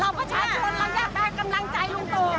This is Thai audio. เราก็ชาวชนเราอยากแบกกำลังใจลูกตู